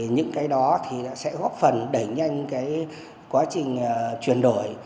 những cái đó sẽ góp phần đẩy nhanh quá trình chuyển đổi